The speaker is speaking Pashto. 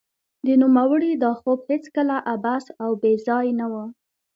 د نوموړي دا خوب هېڅکله عبث او بې ځای نه و